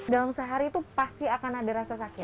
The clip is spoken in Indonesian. dalam sehari itu pasti akan ada rasa sakit